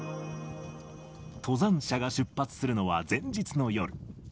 登山者が出発するのは前日の夜。